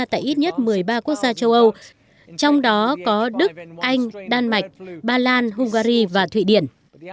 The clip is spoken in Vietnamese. tại ít nhất một mươi ba quốc gia châu âu trong đó có đức anh đan mạch ba lan hungary và thụy điển